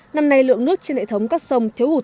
năm nay lượng nước trên hệ thống các sông thiếu hụt